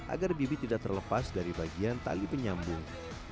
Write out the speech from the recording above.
agar bibit tidak terlepas dari bagian tali penyambung